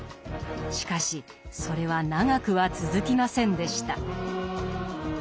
しかしそれは長くは続きませんでした。